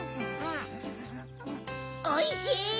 おいしい！